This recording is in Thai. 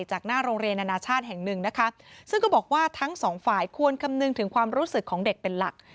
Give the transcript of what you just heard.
จากหน้าโรงเรียนนานาชาติแห่งหนึ่งนะคะซึ่งก็บอกว่าทั้งสองฝ่ายควรคำนึงถึงความรู้สึกของเด็กเป็นหลัก